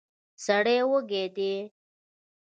سړی وږی دی.